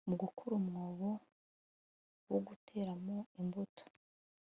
Mugukora umwobo wo guteramo imbuto